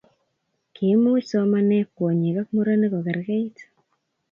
kiimuch somanee kwonyik ak murenik kokerkeit